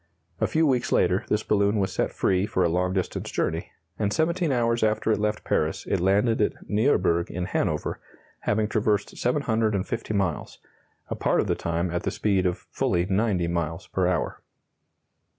A few weeks later this balloon was set free for a long distance journey, and 17 hours after it left Paris it landed at Nieuburg in Hanover, having traversed 750 miles, a part of the time at the speed of fully 90 miles per hour.